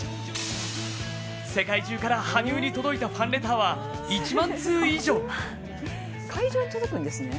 世界中から羽生に届いたファンレターは１万通以上。